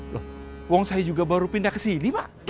loh wong saya juga baru pindah ke sini pak